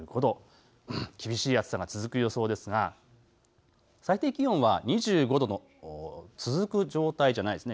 厳しい暑さが続く予想ですが最低気温は２５度の続く状態ではないです。